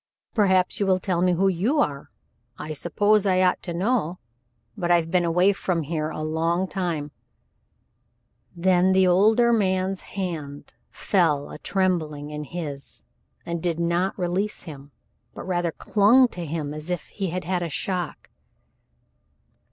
"Perhaps you will tell me whom you are? I suppose I ought to know, but I've been away from here a long time." Then the older man's hand fell a trembling in his, and did not release him, but rather clung to him as if he had had a shock.